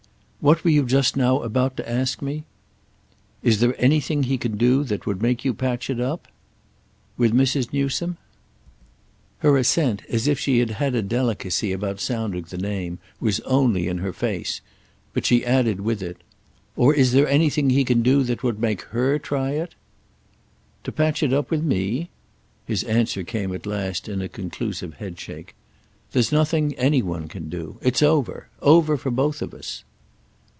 "What were you just about to ask me?" "Is there anything he can do that would make you patch it up?" "With Mrs. Newsome?" Her assent, as if she had had a delicacy about sounding the name, was only in her face; but she added with it: "Or is there anything he can do that would make her try it?" "To patch it up with me?" His answer came at last in a conclusive headshake. "There's nothing any one can do. It's over. Over for both of us."